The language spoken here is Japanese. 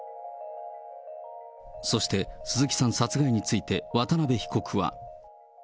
そして鈴木さん殺害について、渡辺被告は。